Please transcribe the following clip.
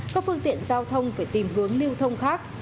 các phương tiện giao thông phải tìm hướng lưu thông khác